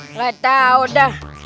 nggak tau dah